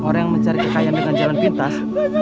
orang yang mencari kekayaan dengan jalan pintas